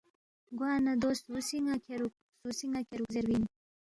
گوانہ دو سُو سی ن٘ا کھیرُوک، سُو سی ن٘ا کھیرُوک زیربی اِن